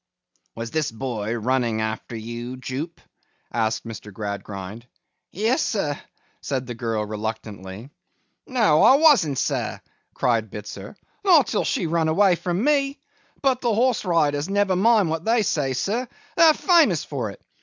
'Was this boy running after you, Jupe?' asked Mr. Gradgrind. 'Yes, sir,' said the girl reluctantly. 'No, I wasn't, sir!' cried Bitzer. 'Not till she run away from me. But the horse riders never mind what they say, sir; they're famous for it.